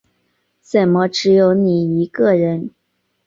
怎么只有你一个人